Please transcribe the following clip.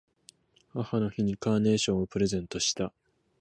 母の日にカーネーションをプレゼントした。